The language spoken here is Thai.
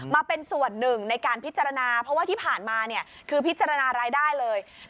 มาเป็นส่วนหนึ่งในการพิจารณาเพราะว่าที่ผ่านมาคือพิจารณารายได้เลย